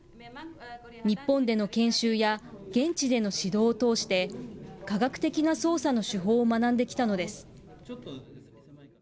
日本での研修や現地での指導を通して、科学的な捜査の手法を学んできたのです。